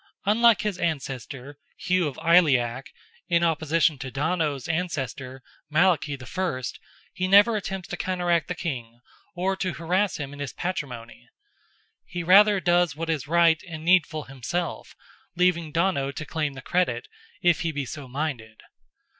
Unlike his ancestor, Hugh of Aileach, in his opposition to Donogh's ancestor, Malachy I., he never attempts to counteract the king, or to harass him in his patrimony. He rather does what is right and needful himself, leaving Donogh to claim the credit, if he be so minded.